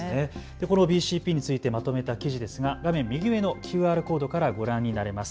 このＢＣＰについてまとめた記事ですが画面右上のＱＲコードからご覧になれます。